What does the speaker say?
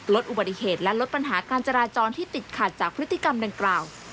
ลดอุบัติเหตุและลดปัญหาการจราจรที่ติดขัดจากพฤติกรรมดังกล่าว